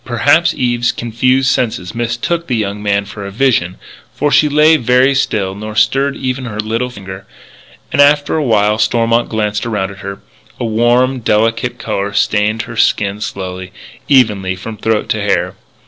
Perhaps Eve's confused senses mistook the young man for a vision; for she lay very still, nor stirred even her little finger. After a while Stormont glanced around at her. A warm, delicate colour stained her skin slowly, evenly, from throat to hair.